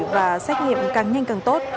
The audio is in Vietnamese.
và xét nghiệm càng nhanh càng tốt